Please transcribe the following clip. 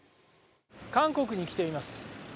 韓国に来ています。